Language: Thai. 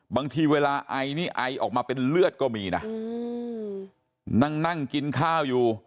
บางทีเวลาไอนี่ไอออกมาเป็นเลือดก็มีนะนั่งนั่งกินข้าวอยู่